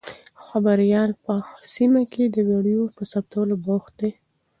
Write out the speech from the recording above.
خبریال په سیمه کې د ویډیو په ثبتولو بوخت دی.